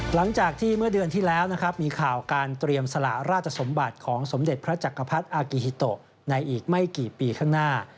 หลังจากที่เมื่อเดือนที่แล้วนะครับมีข่าวการเตรียมสละราชสมบัติของสมเด็จพระจักรพรรดิอากิฮิโตในอีกไม่กี่ปีข้างหน้า